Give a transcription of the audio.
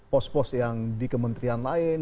pos pos yang di kementerian lain